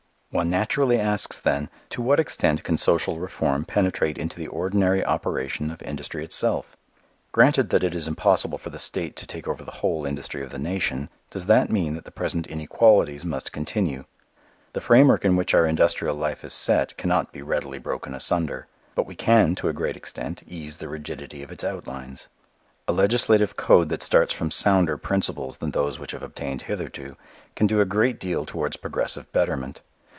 One naturally asks, then, To what extent can social reform penetrate into the ordinary operation of industry itself? Granted that it is impossible for the state to take over the whole industry of the nation, does that mean that the present inequalities must continue? The framework in which our industrial life is set cannot be readily broken asunder. But we can to a great extent ease the rigidity of its outlines. A legislative code that starts from sounder principles than those which have obtained hitherto can do a great deal towards progressive betterment.